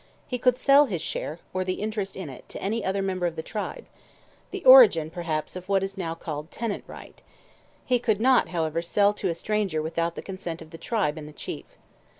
He could sell his share, or the interest in it, to any other member of the tribe—the origin, perhaps, of what is now called tenant right; he could not, however, sell to a stranger without the consent of the tribe and the chief.